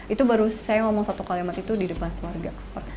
itu baru saya ngomong satu kalimat itu di depan keluarga